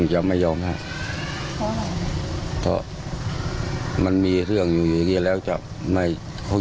ให้มีเรื่องอะไรยาวพอนั้น